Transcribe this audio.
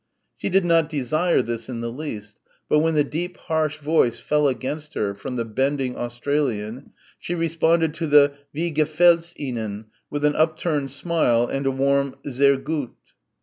She did not desire this in the least, but when the deep harsh voice fell against her from the bending Australian, she responded to the "Wie gefällt's Ihnen?" with an upturned smile and a warm "sehr gut!"